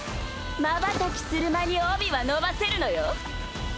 まばたきする間に帯は伸ばせるのよ